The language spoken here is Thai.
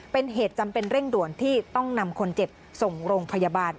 เป็นเหตุจำเป็นเร่งด่วนที่ต้องนำคนเจ็บส่งโรงพยาบาล